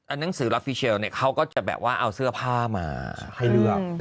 อันนั้นสือลอฟฟิเชียลเนี่ยเขาก็จะแบบว่าเอาเสื้อผ้ามาให้เลือกเลย